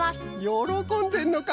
よろこんでるのか。